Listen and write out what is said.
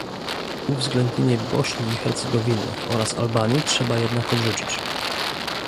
Uwzględnienie Bośni i Hercegowiny oraz Albanii trzeba jednak odrzucić